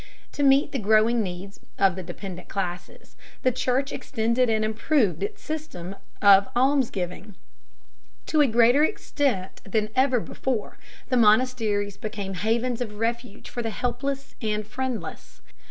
To meet the growing needs of the dependent classes, the Church extended and improved its system of almsgiving. To a greater extent than ever before the monasteries became havens of refuge for the helpless and friendless.